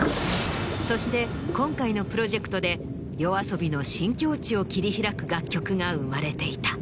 そして今回のプロジェクトでＹＯＡＳＯＢＩの新境地を切り開く楽曲が生まれていた。